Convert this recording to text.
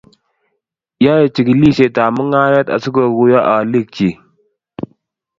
Yoei chikilishiet ab mungaret asikoguyo alik chik